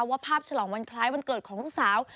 ว่าภาพฉลองวันคล้ายวันเกิดของลูกสาว